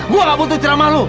gue gak butuh ceramah lu